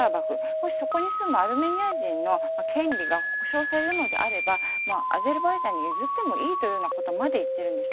もしそこに住むアルメニア人の権利が保障されるのであればアゼルバイジャンに譲ってもいいということまで言っているんです。